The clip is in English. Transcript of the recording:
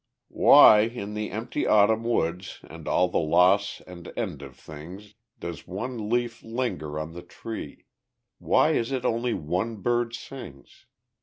_Why, in the empty Autumn woods, And all the loss and end of things, Does one leaf linger on the tree; Why is it only one bird sings?